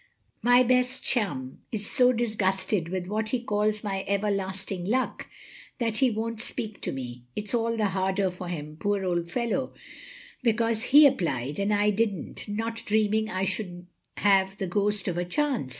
My best chum is so disgusted with what he calls my everlasting luck, that he won't speak to me. It *s aU the harder for him, poor old fellow^ because he applied and I did n't, not dreaming I should have the ghost of a chance.